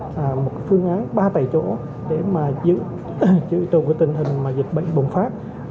có một phương án ba tại chỗ để giữ tù của tình hình dịch bùng phát